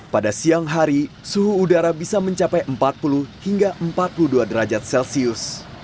pada siang hari suhu udara bisa mencapai empat puluh hingga empat puluh dua derajat celcius